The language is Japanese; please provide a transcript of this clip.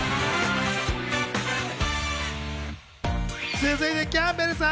続いてキャンベルさん。